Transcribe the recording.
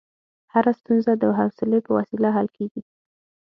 هره ستونزه د حوصلې په وسیله حل کېږي.